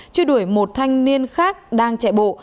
chưa đuổi một thanh niên khác đang chạy bộ